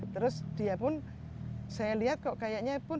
terus dia pun saya lihat kok kayaknya pun